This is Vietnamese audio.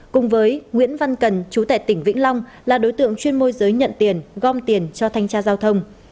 cùng với nguyễn văn cần chú tệ tỉnh vĩnh long là đối tượng chuyên môi giới nhận tiền gom tiền cho thanh tra giao thông